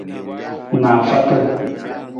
Naafaata.